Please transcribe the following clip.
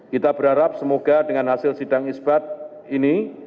kita berharap semoga dengan hasil sidang isbat ini